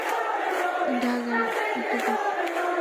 তিনটা হাগ আর একটা কিস।